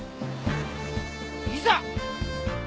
いざ！